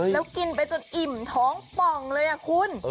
แล้วกินไปจนอิ่มท้องป่องเลยคุณ